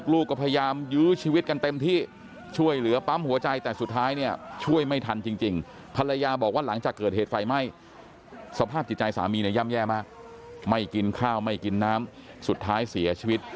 ลูกก็พยายามยื้อชีวิตกันเต็มที่ช่วยเหลือปั๊มหัวใจ